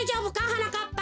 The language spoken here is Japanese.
はなかっぱ。